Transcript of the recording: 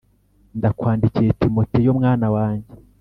ndakwandikiye Timoteyo mwana wanjye